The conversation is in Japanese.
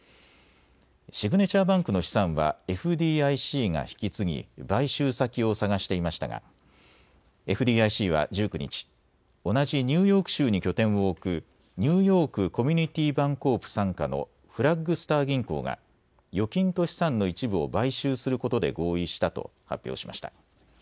シグネチャーバンクの資産はＦＤＩＣが引き継ぎ買収先を探していましたがＦＤＩＣは１９日、同じニューヨーク州に拠点を置くニューヨーク・コミュニティーバンコープ傘下のフラッグスター銀行が預金と資産の一部を買収することで合意したと発表しました。